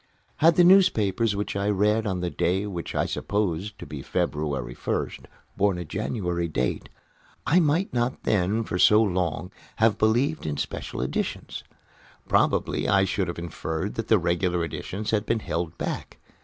Had the newspapers which I read on the day which I supposed to be February 1st borne a January date, I might not then, for so long a time, have believed in special editions. Probably I should have inferred that the regular editions had been held back.